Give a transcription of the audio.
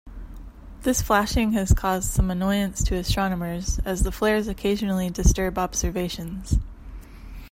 This flashing has caused some annoyance to astronomers, as the flares occasionally disturb observations.